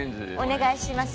お願いします。